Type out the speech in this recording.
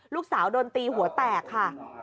ลูกสาวโดนตีหัวแตกค่ะ